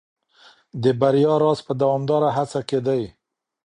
د بریا راز په دوامداره هڅه کي دی.